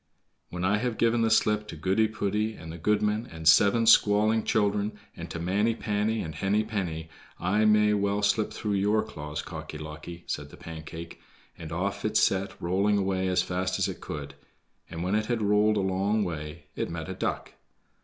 "When I have given the slip to Goody poody, and the goodman, and seven squalling children, and to Manny panny, and Henny penny, I may well slip through your claws, Cocky locky," said the Pancake, and off it set rolling away as fast as it could; and when it had rolled a long way it met a duck.